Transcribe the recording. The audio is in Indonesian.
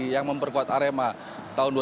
yang memperkuat arema tahun dua ribu tujuh belas